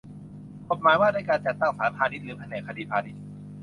กฎหมายว่าด้วยการจัดตั้งศาลพาณิชย์หรือแผนกคดีพาณิชย์